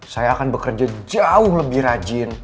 saya akan bekerja jauh lebih rajin